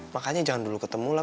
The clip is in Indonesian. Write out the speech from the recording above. makanya jangan dulu ketemu lah